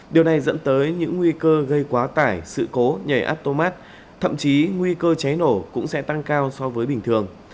điều này dẫn tới những nguy cơ gây quá tải sự cố nhảy áp tô mát thậm chí nguy cơ cháy nổ cũng sẽ tăng cao so với bình thường